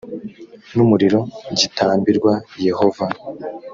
n umuriro gitambirwa yehova